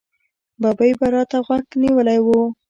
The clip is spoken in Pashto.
ببۍ به را ته غوږ نیولی و.